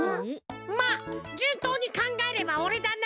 まっじゅんとうにかんがえればおれだな。